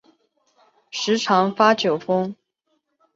时常发酒疯